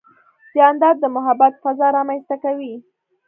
جانداد د محبت فضا رامنځته کوي.